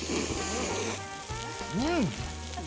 うん！